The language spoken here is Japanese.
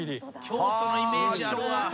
京都のイメージあるわ。